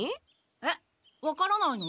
えっ分からないの？